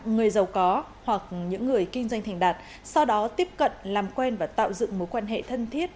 người giàu có hoặc những người kinh doanh thành đạt sau đó tiếp cận làm quen và tạo dựng mối quan hệ thân thiết